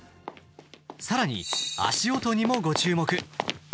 さらに、足音にもご注目。